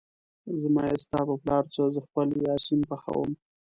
زما يې ستا په پلار څه ، زه خپل يا سين پخوم